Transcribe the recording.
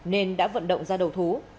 nên đã vận động ra đầu thú